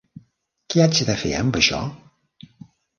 Què haig de fer amb això?